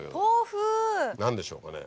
何でしょうかね？